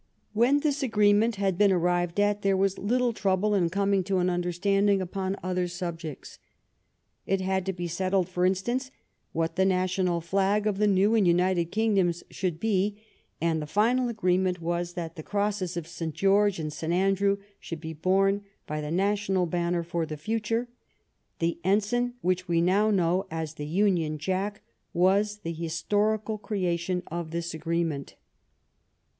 When this agreement had been arrived at there was little trouble in coming to an understanding upon other subjects. It had to be settled, for instance, what the national flag of the new and united kingdom should be, and the final agreement was that the crosses of St. George and St. Andrew should be borne bv the national banner for the future. The ensign which we now know as the Union Jack was the historical creation of this agreement.